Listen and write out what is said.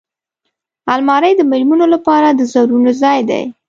الماري د مېرمنو لپاره د زرونو ځای دی